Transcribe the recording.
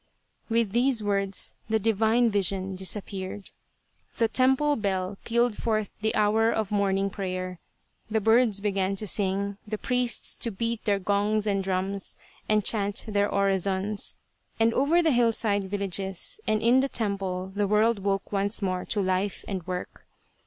" With these words the divine vision disappeared ; the temple bell pealed forth the hour of morning prayer, the birds began to sing, the priests to beat their gongs and drums, and to chant their orisons, and over the hillside villages and in the temple the world woke once more to life and work.